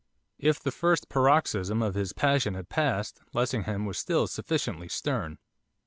If the first paroxysm of his passion had passed, Lessingham was still sufficiently stern.